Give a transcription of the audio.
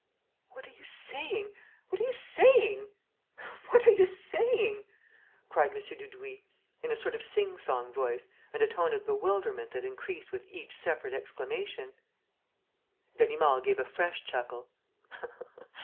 "What are you saying?... What are you saying?... What are you saying?" cried M. Dudouis, in a sort of sing song voice and a tone of bewilderment that increased with each separate exclamation. Ganimard gave a fresh chuckle.